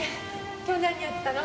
今日何やってたの？